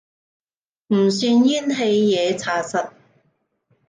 唔算怨氣嘢查實